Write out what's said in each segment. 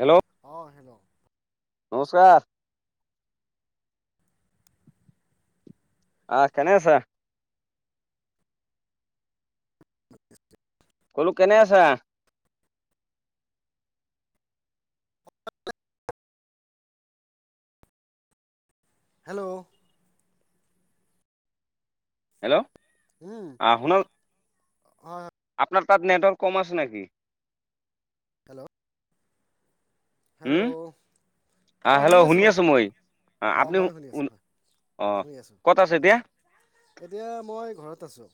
Hello অঁ! Hello. নমস্কাৰ। অহ! কেনে আছা? বোলো কেনে আছা? হেল্ল'! হেল্ল'! উম! আহ শুনা হয়। আপোনাৰ তাত নেটৱৰ্ক কম আছে নেকি? হেল্ল'! হেল্ল'। উম আহ মই শুনি হেল্ল' আছোঁ। আছো মই অ! আপুনি মইয়ো শুনি আছোঁ। অ ঠিক আছে ক'ত শুনি এতিয়া আছোঁ। এতিয়া মই ঘৰত আছোঁ।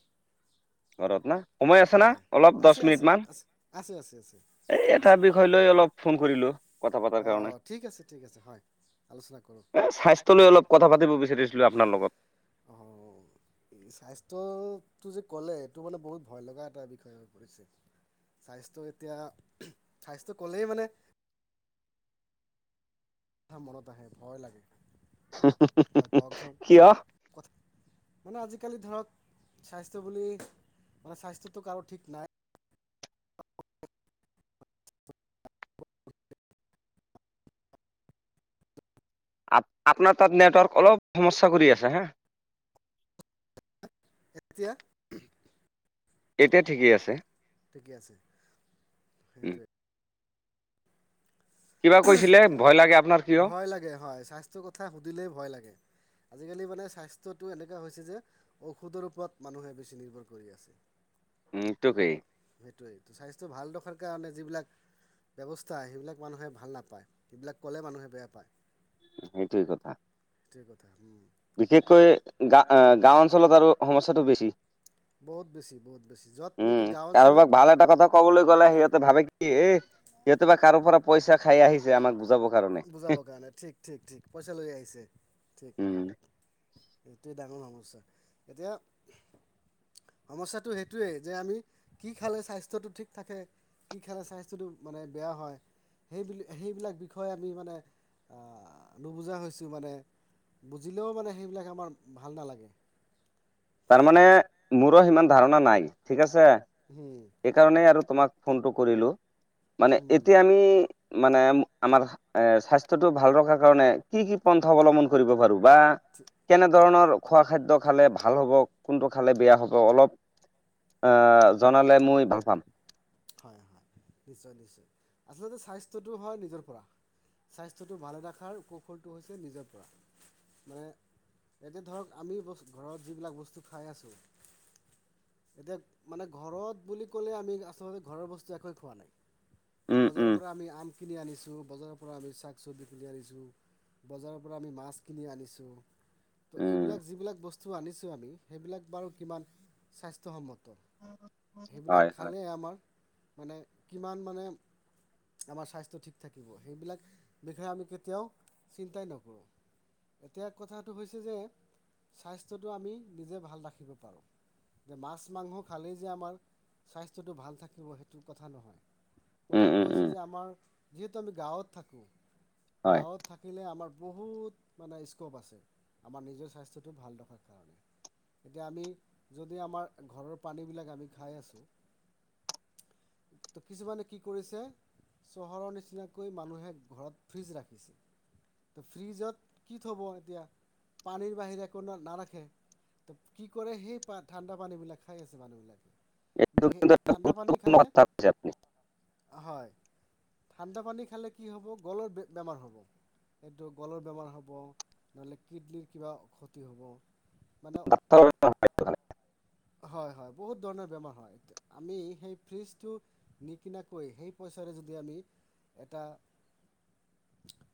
ঘৰত না? সময় আছে না হয় অলপ আছে দহ আছে মিনিট মান? আছে আছে আছে আছে এই এটা আছে বিষয় লৈ অলপ ফোন কৰিলোঁ কথা পতাৰ অঁ কাৰণে। ঠিক আছে ঠিক আছে হয় আলোচনা কৰোঁ। অতনি, অলপ পাতি বিচাৰিছিলোঁ অপোনাৰ লগত। অঁ [inaudible] স্বাস্থ্যটো যে ক'লে এইটো মানে বহুত ভয় লগা এটা বিষয় হৈ পৰিছে। স্বাস্থ্য এতিয়া স্বাস্থ্য ক'লেই মানে কথা মনত আহে ভয় লাগে হয়। কওকচোন। কিয় কথা মানে আজিকালি ধৰক স্বাস্থ্য বুলি মানে স্বাস্থ্যটো কাৰো ঠিক নাই। আপ -আপোনাৰ তাত নেটৱৰ্ক অলপ সমস্যা কৰি আছে, হা। এতিয়া? এতিয়া ঠিকেই আছে। ঠিকে আছে। উম সেইটোৱে কিবা কৈছিলে ভয় লাগে আপোনাৰ কিয় উম ভয় লাগে হয়। স্বাস্থ্যৰ কথা সুধিলেই ভয় লাগে। আজিকালি মানে স্বাস্থ্যটো এনেকুৱা হৈছে। যে ঔষধৰ ওপৰত মানুহে বেছি নিৰ্ভৰ কৰি আছে। [inaudible] ত' সেইটোৱেই স্বাস্থ্য ভাল ৰখাৰ কাৰণে যিবিলাক ব্যৱস্থা সেইবিলাক মানুহে ভাল নাপায়। সেইবিলাক ক'লে মানুহে বেয়া পায়। সেইটোই কথা। সেইটোই কথা। বিশেষকৈ গা- গাঁও অঞ্চলত আৰু সমস্যাটো বেছি। বহুত বেছি, বহুত বেছি য'ত উম গাঁও অঞ্চলত কাৰোবাক ভাল এটা কথা কবলৈ গ'লে সিহঁতে ভাবে কি এ সিহঁতে বা কাৰো পৰা পইচা খাই আহিছে। আমাক বুজাব বুজাবৰ কাৰণে ঠিক-ঠিক-ঠিক, পইচা লৈ আহিছে, ঠিক। উম এইটোৱে ডাঙৰ সমস্যা এতিয়া সমস্যাটো সেইটোৱেই যে আমি কি খালে স্বাস্থ্যটো ঠিক থাকে? কি খালে স্বাস্থ্যটো মানে বেয়া হয়। সেইব- সেইবিলাক বিষয়ে আমি মানে নুবুজা হৈছোঁ। মানে বুজিলেও মানে সেইবিলাক আমাৰ ভাল নালাগে। তাৰমানে মোৰো সিমান ধাৰণা নাই, ঠিক আছে। হম। সেইকাৰণেই আৰু তোমাক ফোনটো কৰিলোঁ মানে হুম এতিয়া আমি মানে আমাৰ এ স্বাস্থ্যটো ভাল ৰখাৰ কাৰণে কি কি পন্থা অৱলম্বন কৰিব পাৰো বা কেনে ধৰণৰ খোৱা খাদ্য খালে ভাল হ'ব, কোনটো খালে বেয়া হ'ব, অলপ প- জনালে মই ভাল পাম। হয়, হয়, নিশ্চয়- নিশ্চয়, আচলতে স্বাস্থ্যটো হয় নিজৰ পৰা স্বাস্থ্যটো ভালে ৰখাৰ কৌশলটো হৈছে। নিজৰ পৰা মানে এয়াতে ধৰক আমি ঘৰত যিবিলাক বস্তু খাই আছোঁ এতিয়া মানে ঘৰত বুলি ক'লে আমি আচলতে ঘৰৰ বস্তু একোৱেই খোৱা নাই। উম বজাৰৰ উম পৰা আমি আম কিনি আনিছোঁ, বজাৰৰ পৰা আমি শাক- চব্জি কিনি আনিছোঁ। বজাৰৰ পৰা আমি মাছ কিনি আনিছোঁ, ত' উম এইবিলাক যিলাক বস্তু বস্তু আনিছোঁ আমি সেইবিলাক বাৰু কিমান স্বাস্থ্যসন্মত। সেইবিলাক হয় হয় খালেই আমাৰ মানে কিমান মানে আমাৰ স্বাস্থ্য ঠিক থাকিব, সেইবিলাক বিষয়ে আমি কেতিয়াও চিন্তাই নকৰোঁ। এতিয়া কথাটো হৈছে যে স্বাস্থ্যটো আমি নিজে ভাল ৰাখিব পাৰোঁ। মাছ মাংস খালেই যে আমাৰ স্বাস্থ্যটো ভাল থাকে থাকিব সেইটো কথা নহয়, উম, কথাটো উম, হৈছে উম, যে আমাৰ যিহেতু আমি গাঁৱত থাকোঁ। হয়। গাঁৱত থাকিলে আমাৰ বহুত মানে স্কপ আছে আমাৰ নিজৰ স্বাস্থ্যটো ভাল ৰখাৰ কাৰণে। এতিয়া আমি যদি আমাৰ ঘৰৰ পানীবিলাক আমি খাই আছোঁ। ত কিছুমানে কি কৰিছে চহৰৰ নিচিনাকৈ মানুহে ঘৰত ফ্ৰিজ ৰাখিছে। তো ফ্ৰিজত কি থ'ব এতিয়া পানীৰ বাহিৰে একো নাৰাখে। ত' কি কৰে সেই ঠাণ্ডা পানী বিলাক খাই আছে, মানুহবিলাকে কি সেই ঠাণ্ডা পানী মৰ খালে তাত যাবি হয় ঠাণ্ডা পানী খালে কি হ'ব, গলৰ বেমাৰ হ'ব। এইটো গলৰ বেমাৰ হ'ব, নহ'লে কিডনীৰ কিবা ক্ষতি হ'ব মানে হয় হয় হয় হয় বহুত ধৰণৰ বেমাৰ হয়। আমি সেই ফ্ৰিজতো নিকিনাকৈ সেই পইচাৰে যদি এটা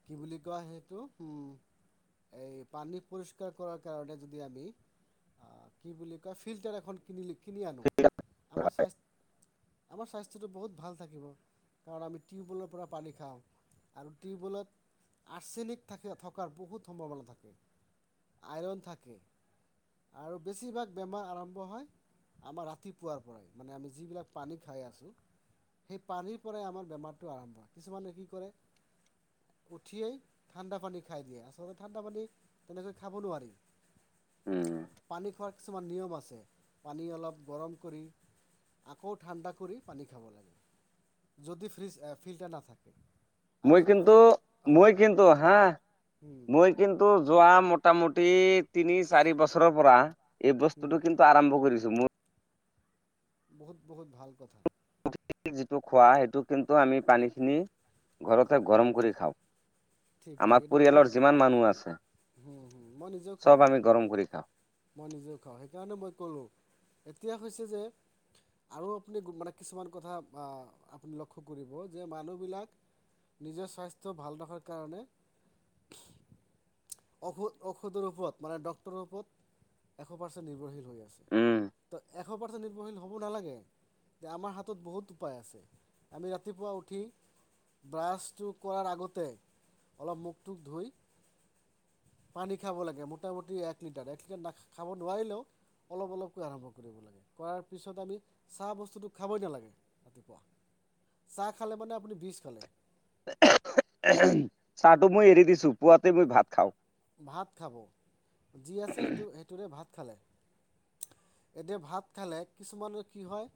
কি বুলি কয় সেইটো উম। এই পানী পৰিষ্কাৰ কৰাৰ কাৰণে যদি আমি আ কি বুলি কয় ফিল্টাৰ এখন কিনিলি কিনি আনো আমাৰ নহয়। স্বাস্থ আমাৰ স্বাস্থ্যটো বহুত ভাল থাকিব, কাৰণ আমি টিউৱেলৰ পৰা পানী খাওঁ। আৰু টিউবলত আৰ্চেনিক থাক থকাৰ বহুত সম্ভাৱনা থাকে। আইৰণ থাকে আৰু বেছিভাগ বেমা আৰম্ভ হয় আমাৰ ৰাতিপুৱাৰ পৰাই মানে আমি যিবিলাক পানী খাই আছোঁ। সেই পানীৰ পৰাই আমাৰ বেমাৰটো আৰম্ভ হয় কিছুমানে কি কৰে উঠিয়েই ঠাণ্ডা পানী খাই দিয়ে আচলতে ঠাণ্ডা পানী তেনেকৈ খাব নোৱাৰি। উম পানী খোৱাৰ কিছুমান নিয়ম আছ ছে পানী অলপ গৰম কৰি আকৌ ঠাণ্ডা কৰি পানী খাব লাগে। যদি ফ্ৰিজ ফিল্টাৰ নাথাকে। আৰু মই যদি কিন্তু ফিল্টাৰ মই হয় কিন্তু হাহ হুম মই কিন্তু যোৱা মোটামুটি তিনি চাৰি বছৰৰ পৰা এই হুম বস্তুটো কিন ন্তু আৰম্ভ কৰিছো মোৰ বহুত বহুত ভাল কথা। যিটো খোৱা সেইটো কিন্তু আমি পানীখিনি ঘৰতে গৰম কৰি খাওঁ। ঠিক ঠিক আমাৰ এইটো বহুত পৰিয়ালৰ বহুত যিমান মানুহ আছে হুম হুম মই নিজেও খাওঁ চ'ব আমি গৰম কৰি খাওঁ। মই নিজেও খাওঁ সেইকাৰণে মই ক'লোঁ এতিয়া হৈছে যে আৰু আপুনি গুণমানে কিছুমান কথা আপুনি লক্ষ্য কৰিব যে মানুহবিলাক নিজৰ স্বাস্থ্য ভাল ৰখাৰ কাৰণে ঔষধ ঔষধৰ ওপৰত মানে ডকক্তৰৰ ওপৰত এশ পাৰ্চেণ্ট নিৰ্ভৰশীল হৈ আছে। উম, ত'এশ পাৰ্চেণ্ট নিৰ্ভৰশীল হ'ব নালাগে, যে আমাৰ হাতত বহুত উপায় আছে। আমি ৰাতিপুৱা উঠি ব্ৰাছটো কৰাৰ আগতে, অলপ মুখটোক ধুই পানী খাব লাগে, মোটামুটি এক লিটাৰ। এক লিটাৰ না খাব নোৱাৰিলও অলপ অলপকৈ আৰম্ভ কৰিব লাগে। কৰাৰ পিছত আমি, চাহ বস্তুটো খাবই নালাগে ৰাতিপুৱা। চাহ খালে মানে আপুনি বিজ খালে। চাহটো মই এৰি দিছো, পুৱাতে মই ভাত খাওঁ। ভাত খাব, যি আছে সটো-সেইটোৰে ভাত খালে। এতিয়া ভাত খালে, কিছুমানৰ কি হয়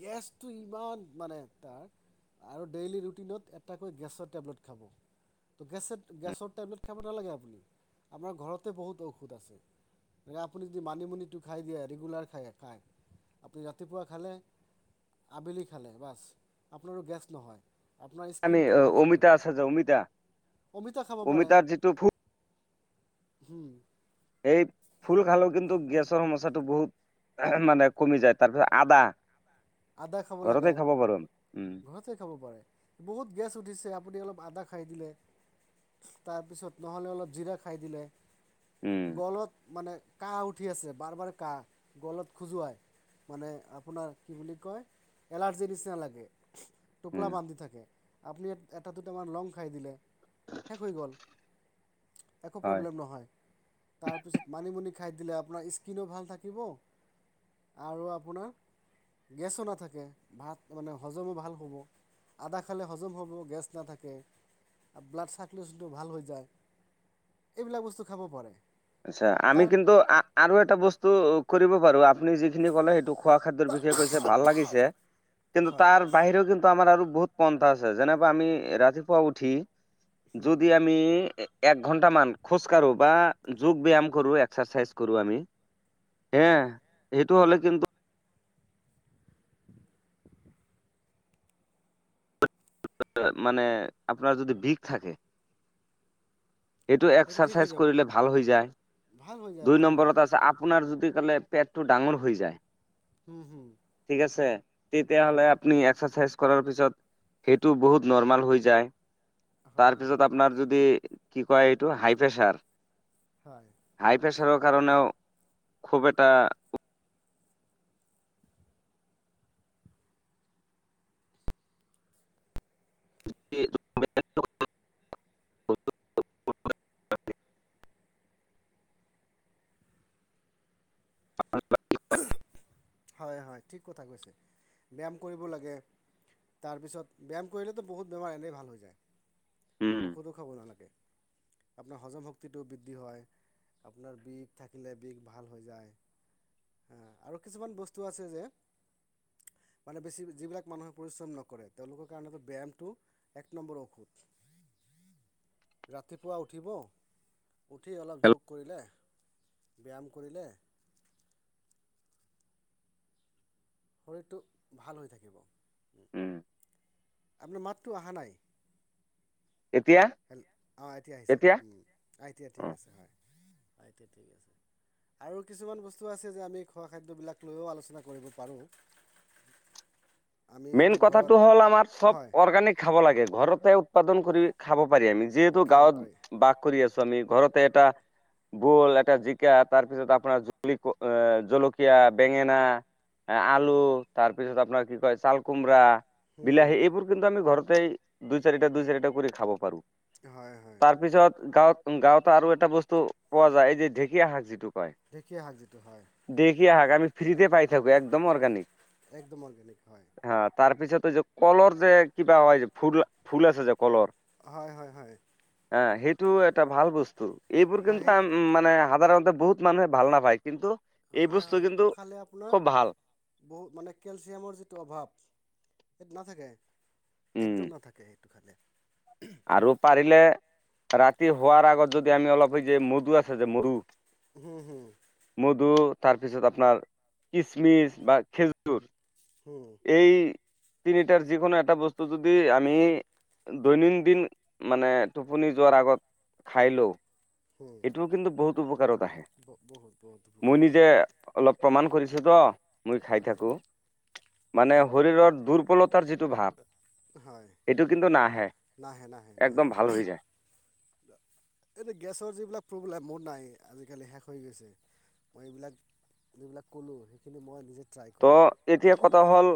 গেছটো, ইমান মানে তাৰ। আৰু ডেইলী ৰুটিনত, এটাকৈ গেছৰ টেবলেট খাব। ত' গেছে, গেছৰ টেবলেট খাব নালাগে আপুনি। আমাৰ ঘৰতে বহুত ঔষধ আছে। আপুনি যদি মানিমুনিটো খাই দিয়ে, ৰেগুলাৰ খায়-খায়। আপুনি ৰাতিপুৱা খালে, আবেলি খালে, বাছ আপোনাৰো গেছ নহয়। আপোনাৰ আমি, স্কিনটো ভাল থাকিব। অমিতা আছে যে, অমিতা, অমিতা খাব অমিতাৰ যিটো ফুল। হম। এই ফুল খালেও কিন্তু, গেছৰ সমস্যাটো বহুত মানে কমি যায়, তাৰ পিছত আদা, আদা খাব লাগে ঘৰতে খাব পাৰোন, উম। ঘৰতে খাব পাৰে। বহুত গেছ উঠিছে, আপুনি অলপ আদা খাই দিলে। তাৰপিছত, নহ'লে অলপ জিৰা খাই দিলে, উম গলত মানে কাহ উঠি আছে, বাৰ, বাৰ কাহ, গলত খোজুৱাই, মানে আপোনাৰ কি বুলি কয়, এলাৰ্জিৰ নিচিনা লাগে, টোপোলা উম বান্ধি থাকে। আপুনি এটা দুটামান, লং খাই দিলে, শেষ হৈ গ'ল। একো হয় প্ৰব্লেম নহয়। তাৰপিছত মানিমুনি খাই দিলে, আপোনাৰ স্কিনো ভাল থাকিব, আৰু আপোনাৰ গেছো নাথাকে, ভাত মানে হজমো ভাল হ'ব। আদা খালে হজম হ'ব, গেছ নাথাকে। আৰু ব্লাড চাৰ্কুলেশ্যনটো ভাল যায়। এইবিলাক বস্তু খাব পাৰে। আচ্ছা, আমি তাৰ কিন্তু আৰু এটা বস্তু কৰিব পাৰো, আপুনি যিখিনি কলে সেইটো খোৱা খাদ্যৰ বিষয়ে কৈছে, ভাল লাগিছে। কিন্তু হয় তাৰ বাহিৰেও কিন্তু আমাৰ আৰু বহুত পন্থা আছে, যেনোৱা আমি ৰাতিপুৱা উঠি, যদি আমি এক ঘন্টামান খোজ কাঢ়ো, বা যোগ ব্যায়াম কৰো, এক্সাৰচাইজ কৰো আমি। হে, হয় সেইটো হ'লে কিন্তু মানে, আপোনাৰ যদি বিষ থাকে। সেইটো ঠিক হৈ এক্সাৰচাইজ যাব কৰিলে, ভাল হৈ যায়। ভাল হৈ যায় দুই ভাল হৈ যায় নম্বৰত আছে, আপ আপোনাৰ যদি ক'লে, পেটটো ডাঙৰ হৈ যায়। হুম, হম্। ঠিক আছে, তেতিয়াহ'লে আপুনি এক্সাৰচাইজ কৰক, পিচত সেইটো বহুত নৰ্মাল হৈ যায়। হয় হয় তাৰপিছত, আপোনাৰ যদি কি কয় এইটো, হাই প্ৰেছাৰ? হয়। হাই প্ৰেছাৰৰ কাৰণেও, খুব এটা [unintelligible] [unintelligible] হয়, হয়, ঠিক কথা কৈছা। ব্যায়াম কৰিব লাগে। তাৰপিছত, ব্যায়াম কৰিলেতো বহুত বেমাৰ এনেই ভাল হৈ যায়, উম ঔষধো খাব নালাগে। আপোনাৰ, হজম শক্তিটোও বৃদ্ধি হয়। আপোনাৰ বিষ থাকিলে, বিষ ভাল হৈ যায়। আৰু কিছুমান বস্তু আছে যে মানে বেছি যিবিলাক মানুহে পৰিশ্ৰম নকৰে, তেওঁলোকৰ কাৰণেতো ব্যায়ামটো এক নম্বৰ ঔষধ। [inaudible] ৰাতিপুৱা উঠিব উঠি অলপ যোগ কৰিলে ব্যাম কৰিলে শৰীৰটো ভাল হৈ থাকিব। উম আপোনাৰ মাতটো আহা নাই। এতিয়া? হেল অ' এতিয়া আহিছে উম, আইতিয়া ঠিক আছে, হয় আইতিয়া ঠিক আছে। আৰু কিছুমান বস্তু আছে যে আমি খোৱা খাদ্যবিলাক লৈও আলোচনা কৰিব পাৰোঁ। আমি মেইন যদি ঘৰত কথাটো হ'ল আমাৰ চব হয় অৰ্গেনিক খাব লাগে, ঘৰতে উৎপাদন কৰি খাব পাৰি আমি যিহেতু খাব পাৰি গাঁৱত বাস কৰি আছোঁ আমি ঘৰতে এটা বোল, এটা জিকা তাৰপিছত আপোনাৰ জলি এ, জলকীয়া, বেঙেনা এ, আলু তাৰপিছত আপোনাৰ কি কয় চাল কোমৰা, বিলাহী এইবোৰ কিন্তু আমি ঘৰতে দুই চাৰিটা দুই চাৰিটা কৰি খাব পাৰোঁ। হয় হয় তাৰপিছত গাঁৱত উম, গাঁৱতে আৰু এটা বস্তু পোৱা যায় এই যে ঢেকীয়া শাক যিটো কয় ঢেকীয়া শাক যিটো হয়। ঢেকীয়া শাক আমি ফ্ৰীতে পাই থাকোঁ, একদম অৰ্গানিক। একদম অৰ্গেনিক হয়। হা, তাৰপিছত এই যে কলৰ যে কিবা হয় ফুল, ফুল আছে যে কলৰ হয় হয় হয়। আহ, সেইটোও এটা ভাল বস্তু, এইবোৰ কিন্তু হয় সেই আম মানে সাধাৰণতে বহুত মানুহে ভাল নাপায় কিন্তু এই হয় বস্তু কিন্তু খুব ভাল। বহু মানে কেলচিয়ামৰ যিটো অভাব সেইটো নাথাকে, উম একদম নাথাকে। টো খালে। আৰু পাৰিলে ৰাতি শুৱাৰ আগত যদি আমি অলপ সেই যে মদু আছে যে মদু হুম, হুম। মধু তাৰপিছত আপোনাৰ কিচমিচ বা খেজুৰ। হু। এই তিনিটাৰ যিকোনো এটা বস্তু যদি আমি দৈনন্দন্দিন মানে টোপনি যোৱাৰ আগত খাই লও হুম এইটো কিন্তু বহুত উপকাৰত আহে। ব- বহুত বহুত ধুপুকা মই উঠে নিজে অলপ প্ৰমাণ কৰিছোঁতো, মই খাই হয় থাকোঁ মানে শৰীৰৰ দুৰ্বলত তাৰ যিটো ভাৱ হয় এইটো কিন্তু নাহে, একদম ভাল হৈ যায়। এ, গেছৰ যিবিলাক প্ৰব্লেম, মোৰ নাই আজিকালি শেষ হৈ গৈছে। মই এইবিলাক যিবিলাক ক'লোঁ সেইখিনি মই নিজে ট্ৰাই ত' কৰোঁ এতিয়া কথা হ'ল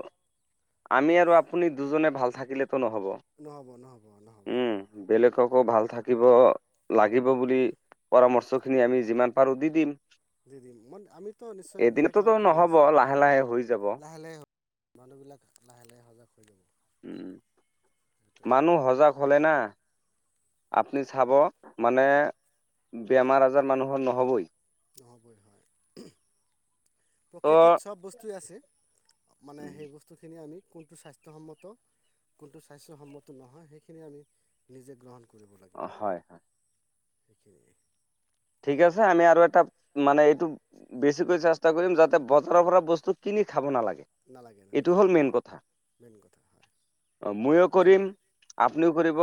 আমি আৰু আপুনি দুজনে ভাল থাকিলেতো নহ'ব। নহ'ব নহ'ব নহ'ব। উম, বেলেগকো ভাল থাকিব লাগিব বুলি পৰামৰ্শখিনি আমি যিমান পাৰো দি দিম। দি দিম, মই আমিতো নিশ্চয় এনেকে কাম এদিনততো কৰি নহ'ব আছোঁ। লাহে লাহে হৈ যাব। লাহে, মানুহবিলাক লাহে লাহে সজাগ হৈ যাব। উম, সেইটোৱে মানুহ সজাগ হ'লে না আপুনি চাব মানে বেমাৰ আজাৰ মানুহৰ নহ'বই। নহ'বই হয়। ত' প্ৰকৃতিত চব বস্তুৱে আছে। মানে সেই বস্তুখিনি আমি কোনটো স্বাস্থ্যসন্মত কোনটো স্বাস্থ্যসন্মত নহয় সেইখিনি আমি নিজে গ্ৰহন কৰিব হয়, লাগিব হয়, সেইখিনিয়ে। ঠিক আছে আমি আৰু এটা মানে এইটো বেছিকৈ চেষ্টা কৰিম যাতে বজাৰৰ পৰা বস্তু কিনি খাব নালাগে! নালাগে এইটো নালাগে হ'ল হয়! মেইন কথা। মেইন কথা হয় হয় ময়ো ঠিক? কৰিম, আপুনিও কৰিব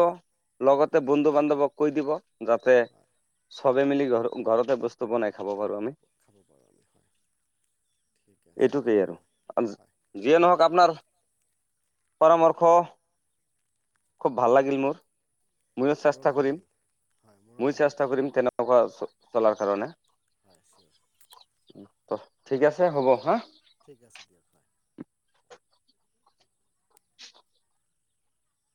লগতে বন্ধু বান্ধৱক কৈ দিব! যাতে হয় ফেমিলি ঘৰতে বস্তু বনাই [inaudible] খাবপাৰোআমি [unintelligible] খাবপাৰোআমিহয়। এইটোকেই আৰু হয় যিয়ে ঠিক নহক আছে আপোনাৰ ভালে পৰামৰ্শ খুব ভাল লাগিল মোৰ! ময়ো মোৰো চেষ্টা ভাল কৰিম লাগিল হয় মোৰো মই ভাল চেষ্টা লাগিল কৰিম হয় তেনেকুৱা চলাৰ কাৰণে? হয় চিয়'ৰ হয় ঠিক আছে হ'ব হা! ঠিক আছে দিয়ক! হয়!